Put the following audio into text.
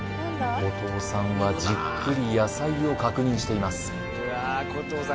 古藤さんはじっくり野菜を確認しています